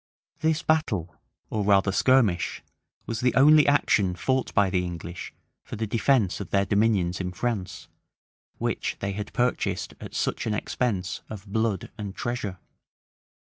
[] This battle, or rather skirmish, was the only action fought by the English for the defence of their dominions in France, which they had purchased at such an expense of blood and treasure.